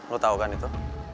lo tau kan itu